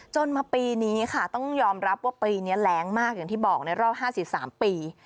จนมาปีนี้ค่ะต้องยอมรับว่าปีนี้แรงมากอย่างที่บอกในรอบ๕๓ปี